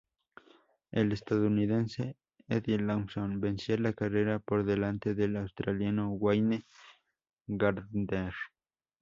El estadounidense Eddie Lawson venció la carrera por delante del australiano Wayne Gardner.